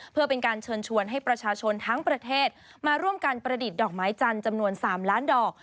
เพื่อเป็นการเชิญชวนให้ประชาชนทั้งประเทศมาร่วมกันประดิษฐ์ดอกไม้จันทร์จำนวน๓ล้านดอก